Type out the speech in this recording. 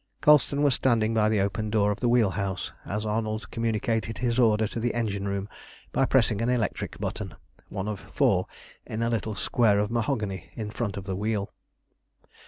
Colston was standing by the open door of the wheel house as Arnold communicated his order to the engine room by pressing an electric button, one of four in a little square of mahogany in front of the wheel.